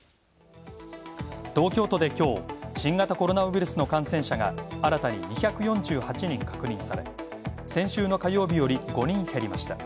東京都できょう、新型コロナウイルスの感染者が新たに２４８人確認され、先週の火曜日より５人減りました。